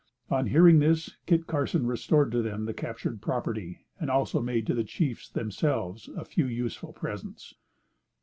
On hearing this, Kit Carson restored to them the captured property, and also made to the chiefs themselves a few useful presents.